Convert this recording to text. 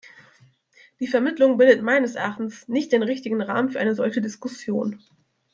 Die Vermittlung bildet meines Erachtens nicht den richtigen Rahmen für eine solche Diskussion.